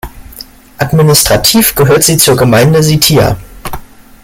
Administrativ gehört sie zur Gemeinde Sitia.